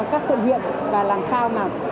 các cộng huyện và làm sao mà